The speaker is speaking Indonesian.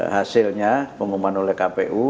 hasilnya pengumuman oleh kpu